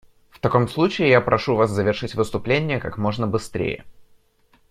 В таком случае я прошу Вас завершить выступление как можно быстрее.